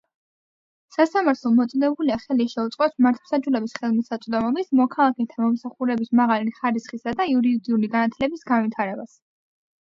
სასამართლო მოწოდებულია ხელი შეუწყოს მართლმსაჯულების ხელმისაწვდომობის, მოქალაქეთა მომსახურების მაღალი ხარისხისა და იურიდიულ განათლების განვითარებას.